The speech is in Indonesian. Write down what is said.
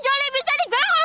tidak bisa diberi bensol nih